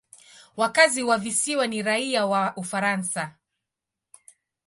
Wakazi wa visiwa ni raia wa Ufaransa.